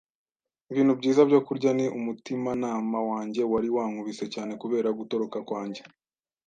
ibintu byiza byo kurya, n'umutimanama wanjye wari wankubise cyane kubera gutoroka kwanjye,